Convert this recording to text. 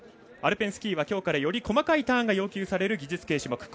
アルペンスキーはきょうからより細かいターンが要求される技術系種目。